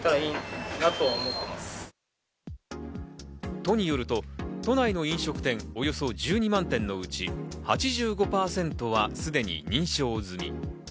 都によると、都内の飲食店およそ１２万店のうち、８５％はすでに認証済み。